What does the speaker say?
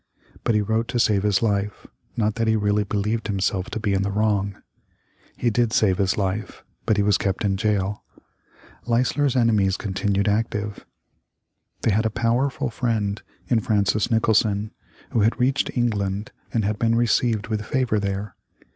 But he wrote to save his life, not that he really believed himself to be in the wrong. He did save his life, but he was kept in jail. Leisler's enemies continued active. They had a powerful friend in Francis Nicholson, who had reached England and had been received with favor there.